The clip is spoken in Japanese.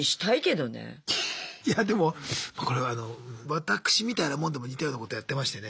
いやでもこれは私みたいなもんでも似たようなことやってましてね。